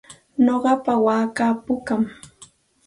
Nuqapa waakaa pukam.